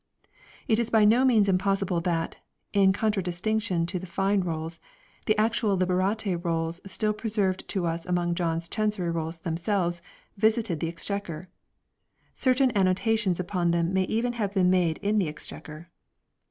It is by no means impossible that (in contradistinction to the Fine Rolls) the actual Liber ate Rolls still preserved to us among John's Chancery Rolls themselves visited the Exchequer ; certain an notations upon them may even have been made in the Exchequer.